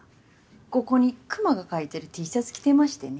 ここに熊が描いてるＴシャツ着てましてね。